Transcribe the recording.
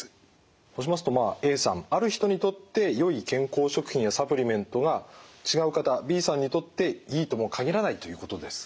そうしますとＡさんある人にとってよい健康食品やサプリメントが違う方Ｂさんにとっていいとも限らないということですね？